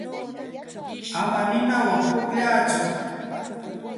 Ama ninawan pukllatsu.